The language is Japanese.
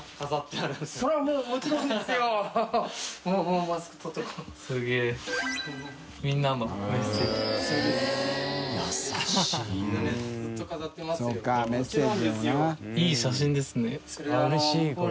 あっうれしいこれ。